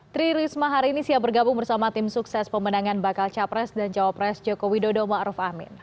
tri risma hari ini siap bergabung bersama tim sukses pemenangan bakal capres dan jawa pres joko widodo ma'ruf amin